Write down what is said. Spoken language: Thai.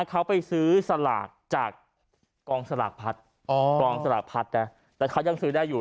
เขาไปซื้อสลากจากกองสลากพัดกองสลากพัดนะแต่เขายังซื้อได้อยู่